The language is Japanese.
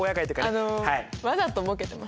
あのわざとボケてます？